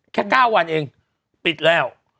แค่๙วันเองปิดแล้ว